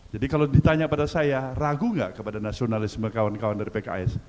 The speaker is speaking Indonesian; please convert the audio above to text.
jadi kalau ditanya pada saya ragu gak kepada nasionalisme kawan kawan dari pks